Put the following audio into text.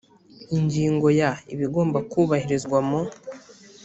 ingingo ya ibigomba kubahirizwa mu